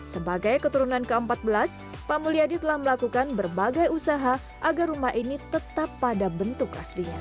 sebagai keturunan ke empat belas pak mulyadi telah melakukan berbagai usaha agar rumah ini tetap pada bentuk aslinya